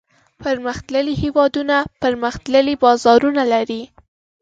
پرمختللي هېوادونه پرمختللي بازارونه لري.